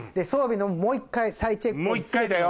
もう１回だよ！